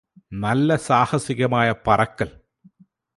നല്ല സാഹസികമായ പറക്കല്